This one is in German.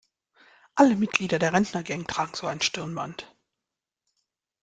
Alle Mitglieder der Rentnergang tragen so ein Stirnband.